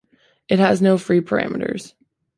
It has no free parameters.